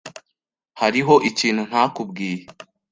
Hariho ikintu ntakubwiye.